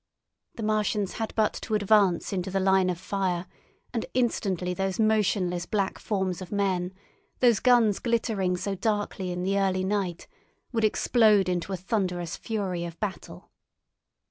The Martians had but to advance into the line of fire, and instantly those motionless black forms of men, those guns glittering so darkly in the early night, would explode into a thunderous fury of battle.